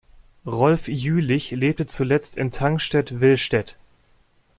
Rolf Jülich lebte zuletzt in Tangstedt-Wilstedt.